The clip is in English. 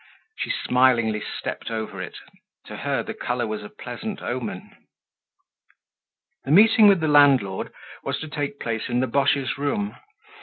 She smilingly stepped over it; to her the color was a pleasant omen. The meeting with the landlord was to take place in the Boches' room.